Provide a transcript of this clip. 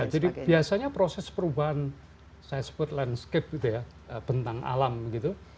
biasanya proses perubahan saya sebut landscape gitu ya bentang alam gitu